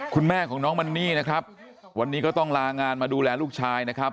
คุณแม่ของน้องมันนี่นะครับวันนี้ก็ต้องลางานมาดูแลลูกชายนะครับ